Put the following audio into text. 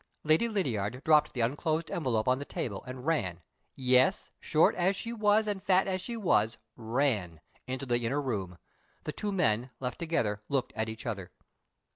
Lady Lydiard dropped the unclosed envelope on the table, and ran yes, short as she was and fat as she was, ran into the inner room. The two men, left together, looked at each other.